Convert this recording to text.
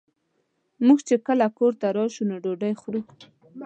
مونږ چې کله کور ته راشو نو ډوډۍ خورو